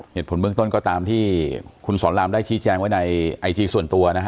เหตุผลเบื้องต้นก็ตามที่คุณสอนรามได้ชี้แจงไว้ในไอจีส่วนตัวนะฮะ